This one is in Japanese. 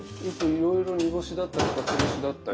いろいろ煮干しだったりかつお節だったり。